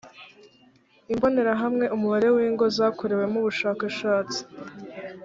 imbonerahamwe umubare w ingo zakorewemo ubushakashatsi